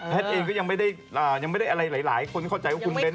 เองก็ยังไม่ได้อะไรหลายคนเข้าใจว่าคุณเบ้น